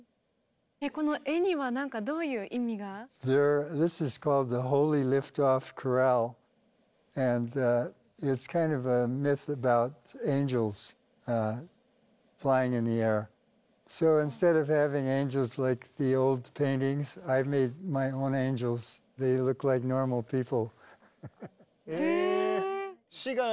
この絵にはなんかどういう意味が？へえ。